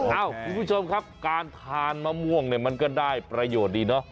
เอ้าคุณผู้ชมครับการทานมะม่วงเนี่ยมันก็ได้ประโยชน์ดีเนาะ